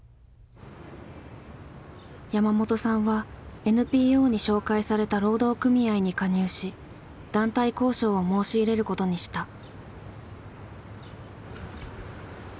山本さんはＮＰＯに紹介された労働組合に加入し団体交渉を申し入れることにした。